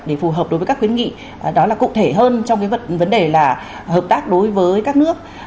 để phù hợp đối với các khuyến nghị đó là cụ thể hơn trong cái vấn đề là hợp tác đối với các nước